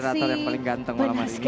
kreator yang paling ganteng malam hari ini